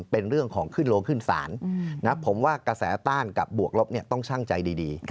เป็นเรื่องของขึ้นโลกขึ้นสารนะครับผมว่ากระแสต้านกับบวกลบเนี่ยต้องช่างใจดี